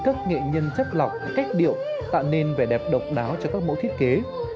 các nghệ nhân chất lọc cách điệu tạo nên vẻ đẹp độc đáo cho các mẫu thiết kế